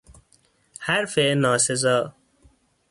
حرف ناسزا